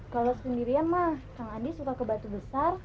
kalau sendirian mah kang adi suka ke batu besar